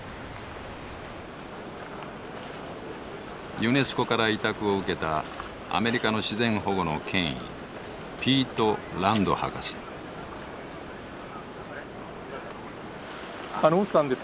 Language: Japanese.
ユネスコから委託を受けたアメリカの自然保護の権威大瀬さんです。